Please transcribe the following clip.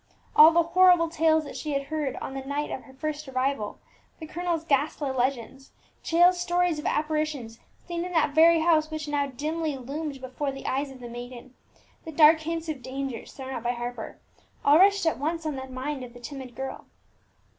All the horrible tales that she had heard on the night of her first arrival, the colonel's ghastly legends, Jael's stories of apparitions seen in that very house which now dimly loomed before the eyes of the maiden, the dark hints of dangers thrown out by Harper all rushed at once on the mind of the timid girl.